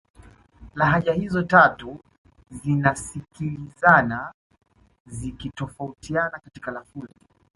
Lahaja hizo tatu zinasikilizana zikitofautiana katika lafudhi